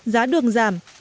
giá đường giảm